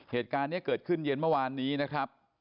เหตุการณ์นี้เกิดขึ้นเย็นเมื่อวานนี้นะครับ